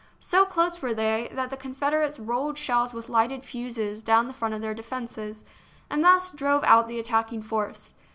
So close were they, that the Confederates rolled shells with lighted fuses down the front of their defences, and thus drove out the attacking force.